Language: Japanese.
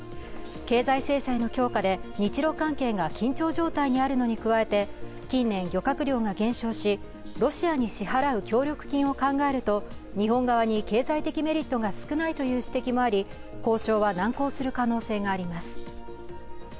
経済制裁の強化で、日ロ関係が緊張状態にあるのに加えて近年漁獲量が減少し、ロシアに支払う協力金を考えると日本側に経済的メリットが少ないという指摘もあり交渉は難航する可能性があります。